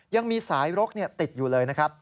ยังมีสายรกติดอยู่เลยนะครับ